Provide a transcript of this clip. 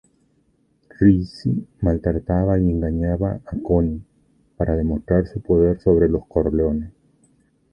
Rizzi maltrataba y engañaba a Connie para demostrar su poder sobre los Corleone.